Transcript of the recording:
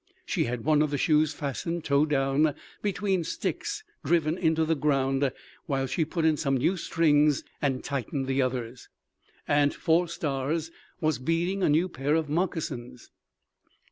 She had one of the shoes fastened toe down, between sticks driven into the ground, while she put in some new strings and tightened the others. Aunt Four Stars was beading a new pair of moccasins.